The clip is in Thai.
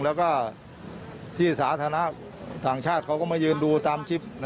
แล้วก็ที่สาธารณะต่างชาติเขาก็มายืนดูตามคลิป